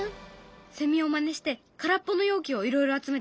セミをまねして空っぽの容器をいろいろ集めたよ。